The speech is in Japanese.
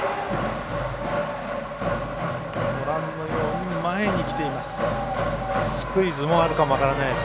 ご覧のように前に来ています。